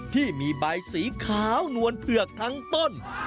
ที่มีใบสีขาวนวลเผือกทั้งต้น